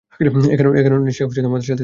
একারণেই সে আমার সাথে ছিল।